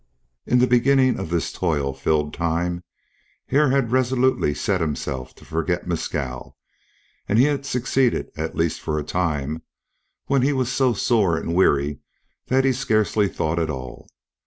In the beginning of this toil filled time Hare had resolutely set himself to forget Mescal, and he had succeeded at least for a time, when he was so sore and weary that he scarcely thought at all.